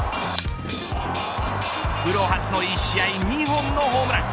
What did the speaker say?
プロ初の１試合２本のホームラン。